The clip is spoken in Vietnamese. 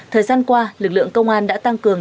thời gian qua lực lượng công an đã tăng cường